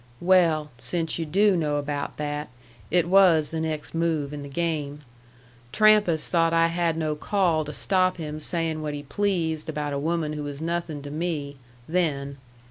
"Well, since you do know about that, it was the next move in the game. Trampas thought I had no call to stop him sayin' what he pleased about a woman who was nothin' to me then.